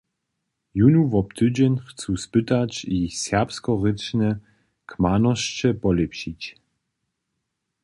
Jónu wob tydźeń chcu spytać, jich serbskorěčne kmanosće polěpšić.